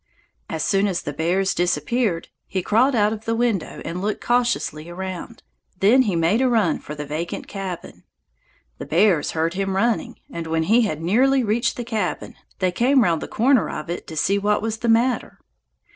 As soon as the bears disappeared, he crawled out of the window and looked cautiously around; then he made a run for the vacant cabin. The bears heard him running, and when he had nearly reached the cabin, they came round the corner of it to see what was the matter.